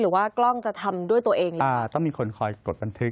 หรือว่ากล้องจะทำด้วยตัวเองหรือเปล่าต้องมีคนคอยกดบันทึก